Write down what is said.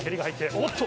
おっと！